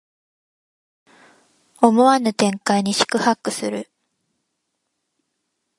思わぬ展開に四苦八苦する